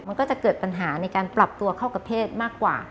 มันก็จะเกิดปัญหาในการปรับตัวเข้ากับเพศมากกว่า